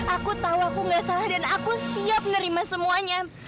aku tahu aku gak salah dan aku siap nerima semuanya